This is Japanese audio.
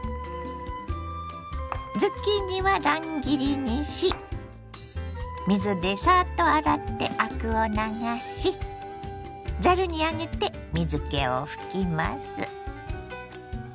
ズッキーニは乱切りにし水でサッと洗ってアクを流しざるに上げて水けを拭きます。